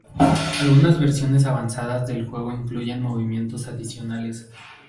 Algunas versiones avanzadas del juego incluyen movimientos adicionales.